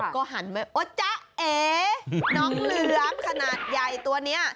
ก็หันมาโอ๊จ๊ะเอน้องเหลือมขนาดใหญ่ตัวนี้